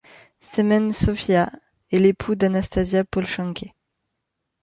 Semen Sopiha est l'époux d'Anastasia Polshanke.